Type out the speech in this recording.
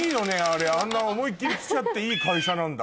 あんな思いっ切り着ちゃっていい会社なんだ。